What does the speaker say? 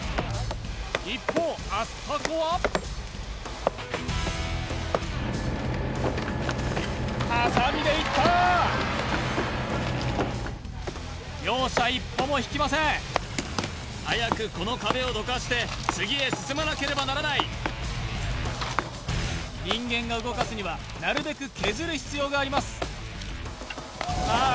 一方アスタコはハサミでいったー両者一歩も引きません早くこの壁をどかして次へ進まなければならない人間が動かすにはなるべく削る必要がありますさあ